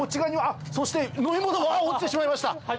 あっそして飲み物が落ちてしまいました！